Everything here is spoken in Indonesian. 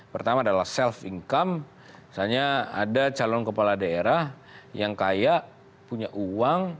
pertama adalah self income misalnya ada calon kepala daerah yang kaya punya uang